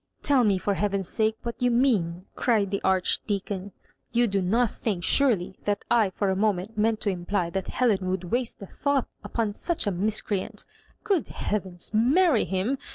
"Tell me, for heaven's sake^ what you meanl'^ cried the Archdeacon. " You do not think, sure ly, that I for a moment meant to imply that Helen would waste a thought upon such a mis creant Grood heavens, marry him